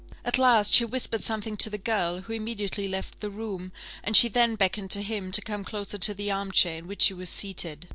At last, she whispered something to the girl, who immediately left the room; and she then beckoned to him to come closer to the arm chair, in which she was seated.